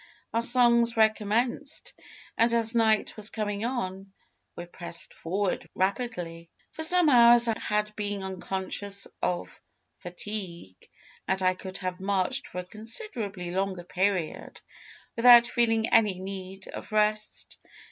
Our songs recommenced, and, as night was coming on, we pressed forward rapidly. For some hours I had been unconscious of fatigue, and I could have marched for a considerably longer period without feeling any need of rest.